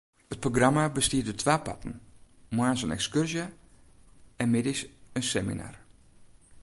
It programma bestiet út twa parten: moarns in ekskurzje en middeis in seminar.